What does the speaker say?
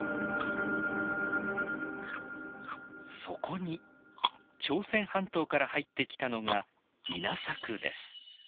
そこに朝鮮半島から入ってきたのが稲作です。